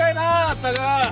ったく。